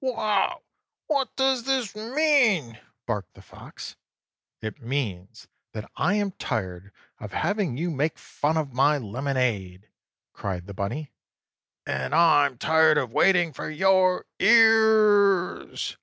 9. "Oh, wow! What does this mean?" barked the Fox. "It means that I am tired of having you make fun of my lemonade!" cried the bunny. "And I'm tired of waiting for your ears!"